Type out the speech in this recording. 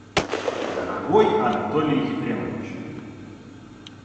Дорогой Анатолий Ефремович!